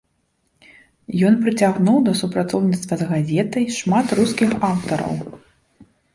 Ён прыцягнуў да супрацоўніцтва з газетай шмат рускіх аўтараў.